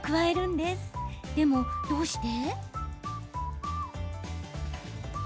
でも、どうして？